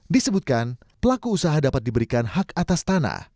disebutkan pelaku usaha dapat diberikan hak atas tanah